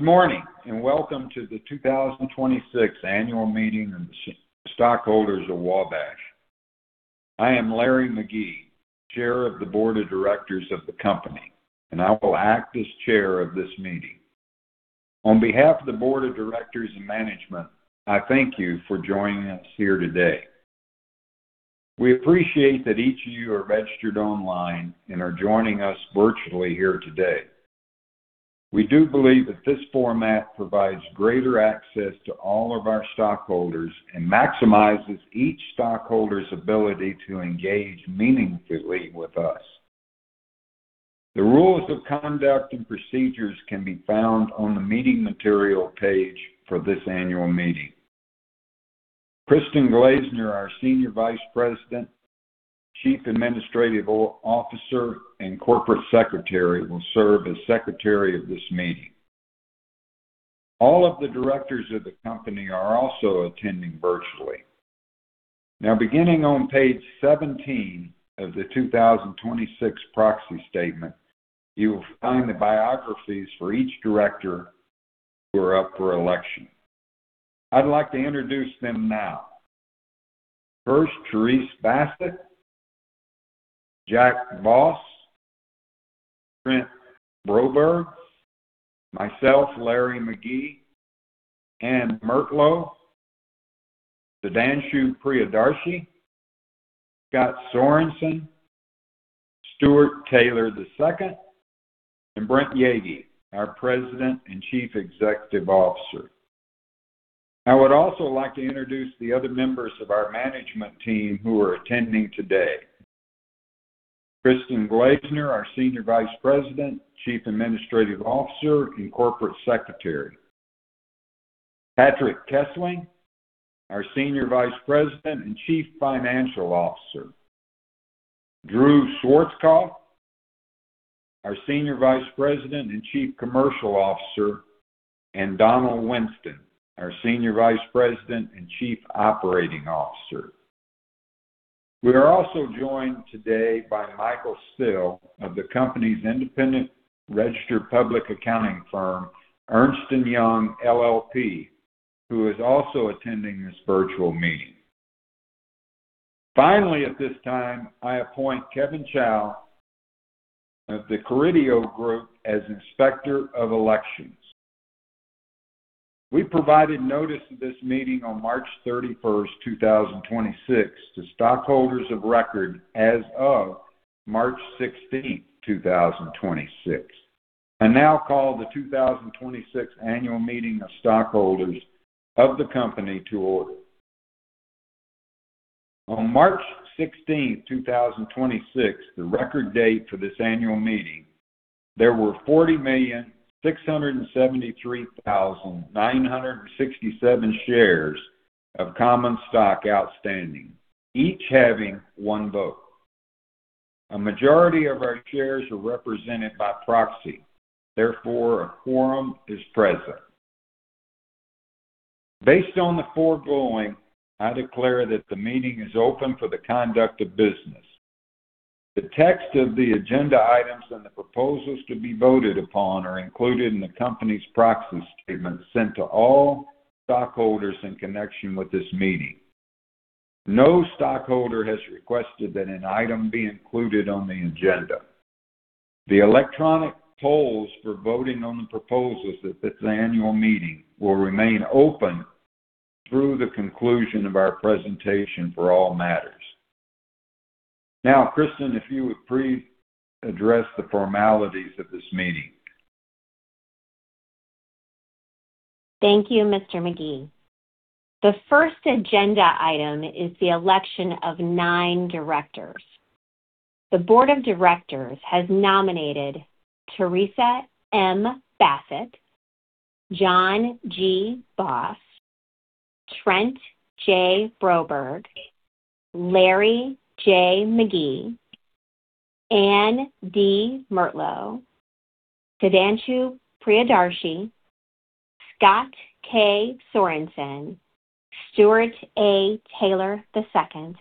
Good morning, welcome to the 2026 annual meeting of the stockholders of Wabash. I am Larry Magee, Chair of the Board of Directors of the company, and I will act as Chair of this meeting. On behalf of the Board of Directors and Management, I thank you for joining us here today. We appreciate that each of you are registered online and are joining us virtually here today. We do believe that this format provides greater access to all of our stockholders and maximizes each stockholder's ability to engage meaningfully with us. The rules of conduct and procedures can be found on the meeting material page for this annual meeting. Kristin Glazner, our Senior Vice President, Chief Administrative Officer, and Corporate Secretary, will serve as Secretary of this meeting. All of the Directors of the company are also attending virtually. Now, beginning on page 17 of the 2026 proxy statement, you will find the biographies for each director who are up for election. I'd like to introduce them now. First, Therese Bassett, John Boss, Trent Broberg, myself, Larry Magee, Ann Murtlow, Sudhanshu Priyadarshi, Scott Sorensen, Stuart Taylor II, and Brent Yeagy, our President and Chief Executive Officer. I would also like to introduce the other members of our management team who are attending today. Kristin Glazner, our Senior Vice President, Chief Administrative Officer, and Corporate Secretary. Patrick Keslin, our Senior Vice President and Chief Financial Officer. Drew Schwartzhoff, our Senior Vice President and Chief Commercial Officer, and Donald Winston, our Senior Vice President and Chief Operating Officer. We are also joined today by Michael Still of the company's independent registered public accounting firm, Ernst & Young LLP, who is also attending this virtual meeting. Finally, at this time, I appoint Kevin Chau of the Carideo Group as Inspector of Elections. We provided notice of this meeting on March 31st, 2026 to stockholders of record as of March 16th, 2026. I now call the 2026 annual meeting of stockholders of the company to order. On March 16th, 2026, the record date for this annual meeting, there were 40,673,967 shares of common stock outstanding, each having one vote. A majority of our shares are represented by proxy. Therefore, a quorum is present. Based on the foregoing, I declare that the meeting is open for the conduct of business. The text of the agenda items and the proposals to be voted upon are included in the company's proxy statement sent to all stockholders in connection with this meeting. No stockholder has requested that an item be included on the agenda. The electronic polls for voting on the proposals at this annual meeting will remain open through the conclusion of our presentation for all matters. Now, Kristin, if you would please address the formalities of this meeting. Thank you, Mr. Magee. The first agenda item is the election of nine directors. The Board of Directors has nominated Therese M. Bassett, John G. Boss, Trent J. Broberg, Larry J. Magee, Ann D. Murtlow, Sudhanshu Priyadarshi, Scott K. Sorensen, Stuart A. Taylor II,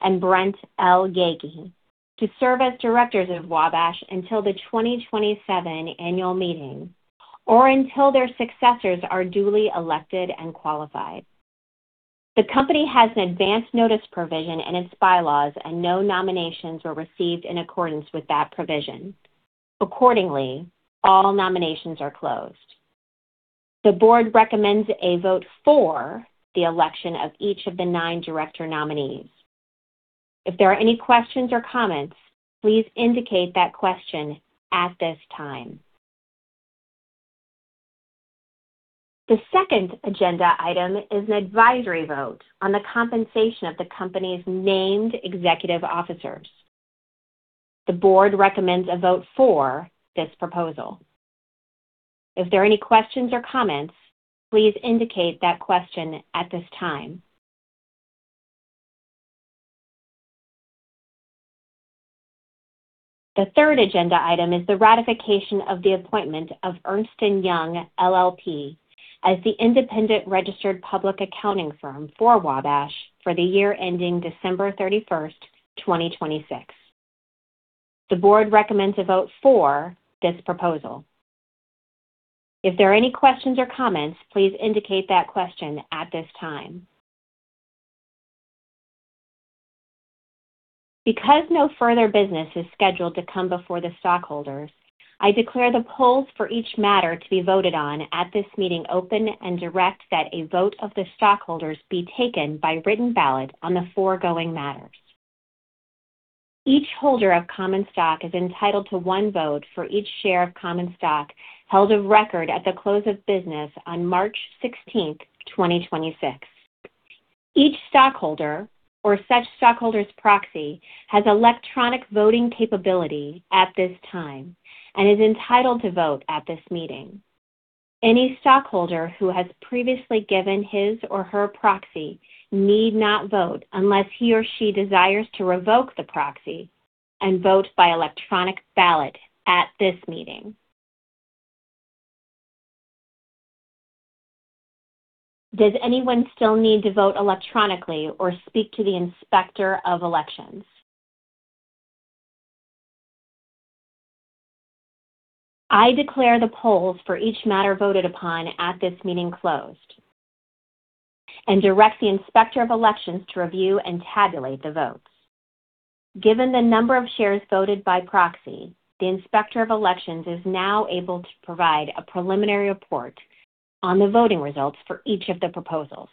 and Brent L. Yeagy to serve as directors of Wabash until the 2027 annual meeting or until their successors are duly elected and qualified. The company has an advance notice provision in its bylaws, and no nominations were received in accordance with that provision. Accordingly, all nominations are closed. The board recommends a vote for the election of each of the nine director nominees. If there are any questions or comments, please indicate that question at this time. The second agenda item is an advisory vote on the compensation of the company's named executive officers. The board recommends a vote for this proposal. If there are any questions or comments, please indicate that question at this time. The third agenda item is the ratification of the appointment of Ernst & Young LLP as the independent registered public accounting firm for Wabash for the year ending December 31, 2026. The board recommends a vote for this proposal. If there are any questions or comments, please indicate that question at this time. Because no further business is scheduled to come before the stockholders, I declare the polls for each matter to be voted on at this meeting open and direct that a vote of the stockholders be taken by written ballot on the foregoing matters. Each holder of common stock is entitled to one vote for each one share of common stock held of record at the close of business on March 16, 2026. Each stockholder, or such stockholder's proxy, has electronic voting capability at this time and is entitled to vote at this meeting. Any stockholder who has previously given his or her proxy need not vote unless he or she desires to revoke the proxy and vote by electronic ballot at this meeting. Does anyone still need to vote electronically or speak to the Inspector of Elections? I declare the polls for each matter voted upon at this meeting closed and direct the Inspector of Elections to review and tabulate the votes. Given the number of shares voted by proxy, the Inspector of Elections is now able to provide a preliminary report on the voting results for each of the proposals.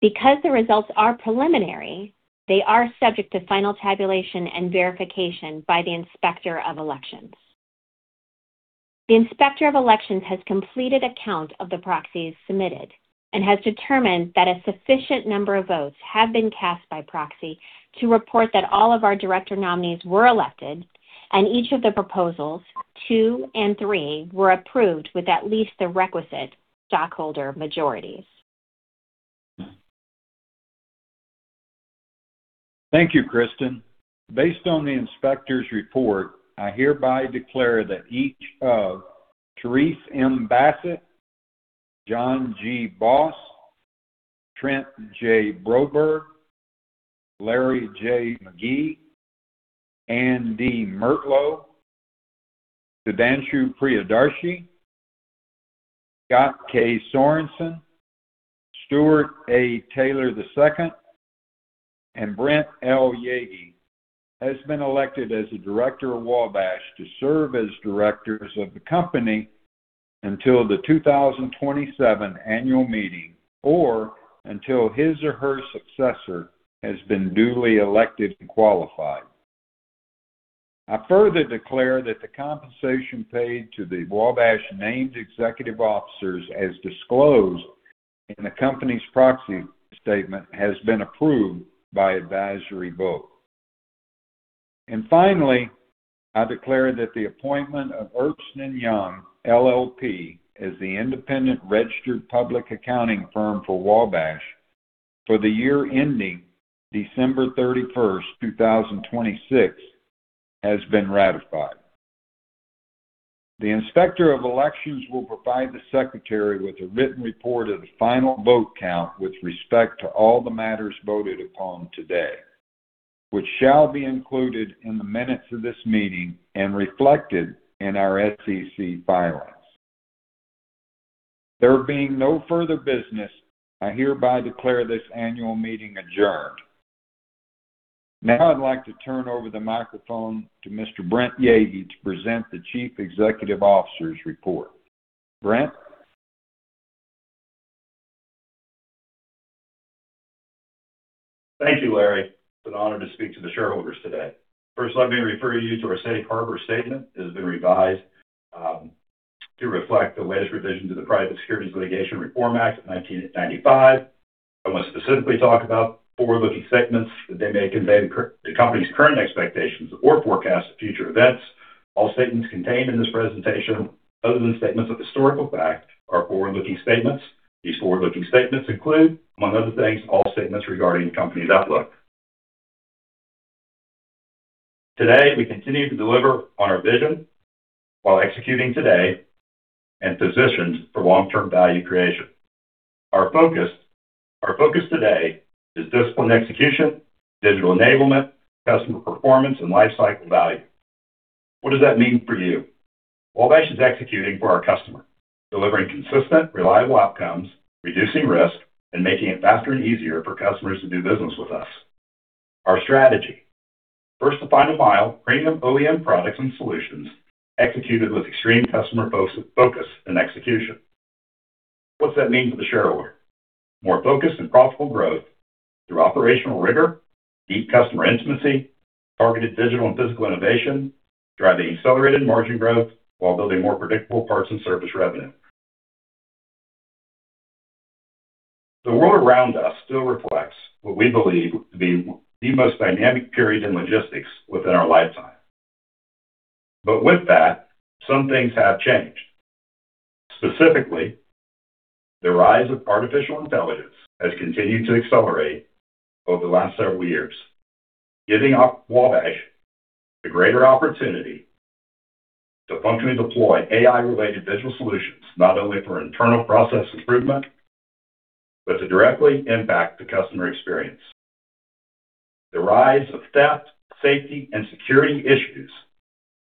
Because the results are preliminary, they are subject to final tabulation and verification by the Inspector of Elections. The Inspector of Elections has completed a count of the proxies submitted and has determined that a sufficient number of votes have been cast by proxy to report that all of our director nominees were elected and each of the proposals two and three were approved with at least the requisite stockholder majorities. Thank you, Kristin. Based on the inspector's report, I hereby declare that each of Therese M. Bassett, John G. Boss, Trent J. Broberg, Larry J. Magee, Ann D. Murtlow, Sudhanshu Priyadarshi, Scott K. Sorensen, Stuart A. Taylor II, and Brent L. Yeagy has been elected as a director of Wabash to serve as directors of the company until the 2027 annual meeting or until his or her successor has been duly elected and qualified. I further declare that the compensation paid to the Wabash named executive officers as disclosed in the company's proxy statement has been approved by advisory vote. Finally, I declare that the appointment of Ernst & Young LLP as the independent registered public accounting firm for Wabash for the year ending December 31st, 2026, has been ratified. The Inspector of Elections will provide the Secretary with a written report of the final vote count with respect to all the matters voted upon today, which shall be included in the minutes of this meeting and reflected in our SEC filings. There being no further business, I hereby declare this annual meeting adjourned. Now I'd like to turn over the microphone to Mr. Brent Yeagy to present the Chief Executive Officer's report. Brent? Thank you, Larry. It's an honor to speak to the shareholders today. First, let me refer you to our safe harbor statement. It has been revised to reflect the latest revision to the Private Securities Litigation Reform Act of 1995. I want to specifically talk about forward-looking statements, that they may convey the company's current expectations or forecasts of future events. All statements contained in this presentation, other than statements of historical fact, are forward-looking statements. These forward-looking statements include, among other things, all statements regarding the company's outlook. Today, we continue to deliver on our vision while executing today and positioned for long-term value creation. Our focus today is disciplined execution, digital enablement, customer performance, and lifecycle value. What does that mean for you? Wabash is executing for our customer, delivering consistent, reliable outcomes, reducing risk, and making it faster and easier for customers to do business with us. Our strategy: First to final mile, premium OEM products and solutions executed with extreme customer focus and execution. What's that mean for the shareholder? More focused and profitable growth through operational rigor, deep customer intimacy, targeted digital and physical innovation, driving accelerated margin growth while building more predictable Parts and Services revenue. The world around us still reflects what we believe to be the most dynamic period in logistics within our lifetime. With that, some things have changed. Specifically, the rise of artificial intelligence has continued to accelerate over the last several years, giving Wabash a greater opportunity to functionally deploy AI-related digital solutions, not only for internal process improvement, but to directly impact the customer experience. The rise of theft, safety, and security issues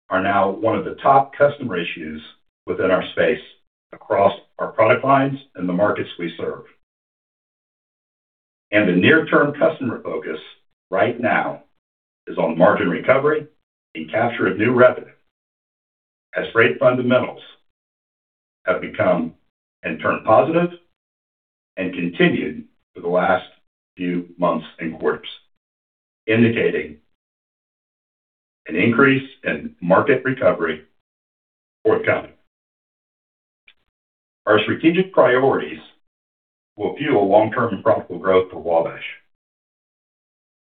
are now one of the top customer issues within our space across our product lines and the markets we serve. The near-term customer focus right now is on margin recovery and capture of new revenue as rate fundamentals have become and turned positive and continued for the last few months and quarters, indicating an increase in market recovery forthcoming. Our strategic priorities will fuel long-term profitable growth for Wabash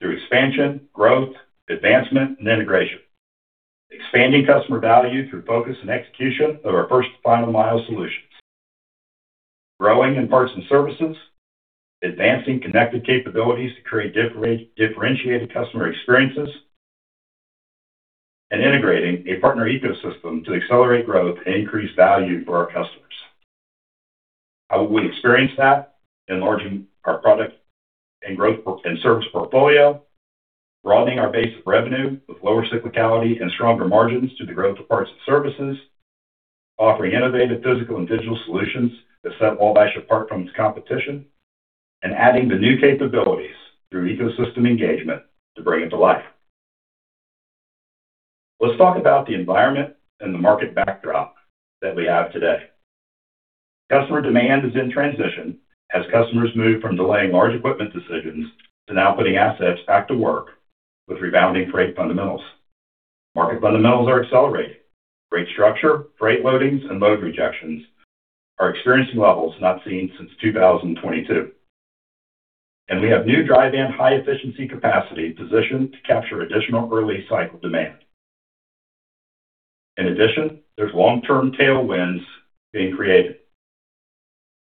through expansion, growth, advancement, and integration. Expanding customer value through focus and execution of our first and final mile solutions. Growing in Parts and Services, advancing connected capabilities to create differentiated customer experiences, integrating a partner ecosystem to accelerate growth and increase value for our customers. How will we experience that? Enlarging our product and service portfolio, broadening our base of revenue with lower cyclicality and stronger margins through the growth of Parts and Services, offering innovative physical and digital solutions that set Wabash apart from its competition, and adding the new capabilities through ecosystem engagement to bring it to life. Let's talk about the environment and the market backdrop that we have today. Customer demand is in transition as customers move from delaying large equipment decisions to now putting assets back to work with rebounding freight fundamentals. Market fundamentals are accelerating. Freight structure, freight loadings, and load rejections are experiencing levels not seen since 2022. We have new dry van high efficiency capacity positioned to capture additional early cycle demand. In addition, there's long-term tailwinds being created.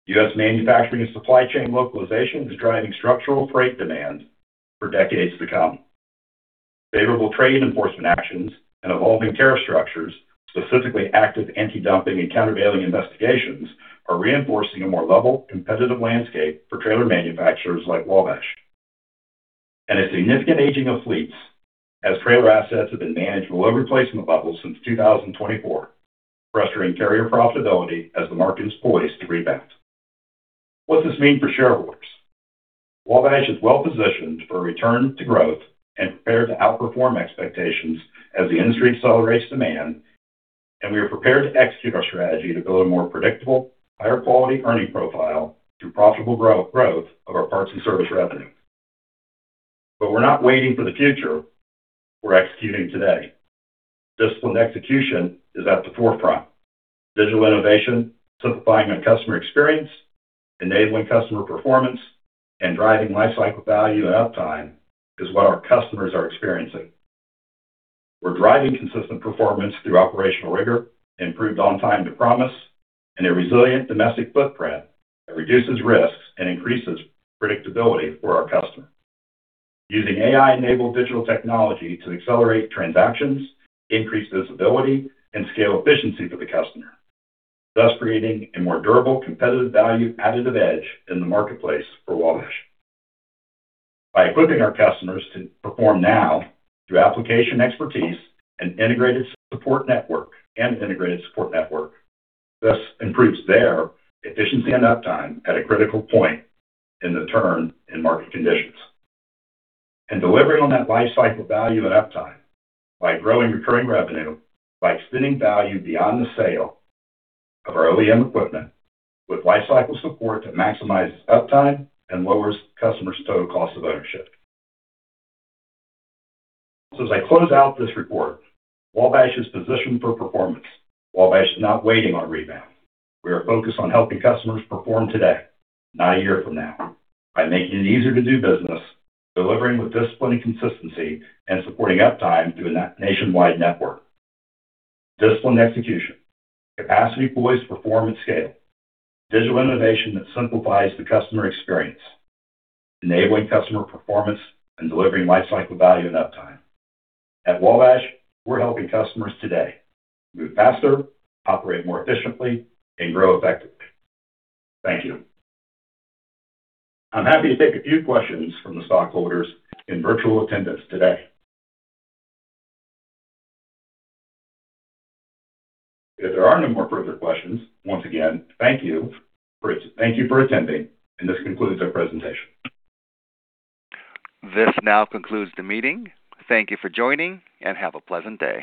U.S. manufacturing and supply chain localization is driving structural freight demand for decades to come. Favorable trade enforcement actions and evolving tariff structures, specifically active anti-dumping and countervailing investigations, are reinforcing a more level competitive landscape for trailer manufacturers like Wabash. A significant aging of fleets as trailer assets have been managed with low replacement levels since 2024, frustrating carrier profitability as the market is poised to rebound. What's this mean for shareholders? Wabash is well-positioned for a return to growth and prepared to outperform expectations as the industry accelerates demand, and we are prepared to execute our strategy to build a more predictable, higher quality earning profile through profitable growth of our parts and service revenue. We're not waiting for the future, we're executing today. Disciplined execution is at the forefront. Digital innovation, simplifying our customer experience, enabling customer performance, and driving lifecycle value and uptime is what our customers are experiencing. We're driving consistent performance through operational rigor, improved on time to promise, and a resilient domestic footprint that reduces risks and increases predictability for our customer. Using AI-enabled digital technology to accelerate transactions, increase visibility, and scale efficiency for the customer, thus creating a more durable, competitive value additive edge in the marketplace for Wabash. By equipping our customers to perform now through application expertise and integrated support network, thus improves their efficiency and uptime at a critical point in the turn in market conditions. Delivering on that lifecycle value and uptime by growing recurring revenue, by extending value beyond the sale of our OEM equipment with lifecycle support that maximizes uptime and lowers customers' total cost of ownership. As I close out this report, Wabash is positioned for performance. Wabash is not waiting on rebound. We are focused on helping customers perform today, not a year from now, by making it easier to do business, delivering with discipline and consistency, and supporting uptime through a nationwide network. Disciplined execution, capacity poised to perform and scale, digital innovation that simplifies the customer experience, enabling customer performance and delivering lifecycle value and uptime. At Wabash, we're helping customers today move faster, operate more efficiently, and grow effectively. Thank you. I'm happy to take a few questions from the stockholders in virtual attendance today. If there are no more further questions, once again, thank you for attending, and this concludes our presentation. This now concludes the meeting. Thank you for joining, and have a pleasant day.